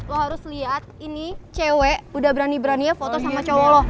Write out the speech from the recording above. lo harus lihat ini cewek udah berani beraninya foto sama cowo lo